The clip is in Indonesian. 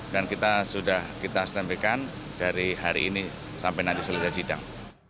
dan kita sudah kita standby kan dari hari ini sampai nanti selesai sidang